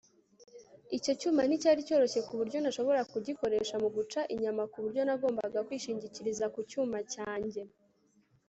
Icyo cyuma nticyari cyoroshye kuburyo ntashobora kugikoresha mu guca inyama kuburyo nagombaga kwishingikiriza ku cyuma cyanjye